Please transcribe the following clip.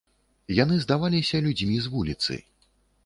Яны здаваліся людзьмі з вуліцы.